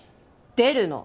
出るの！